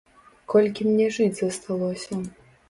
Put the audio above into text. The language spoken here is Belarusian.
Колькі мне жыць засталося.